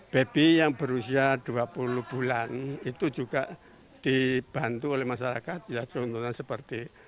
baby yang berusia dua puluh bulan itu juga dibantu oleh masyarakat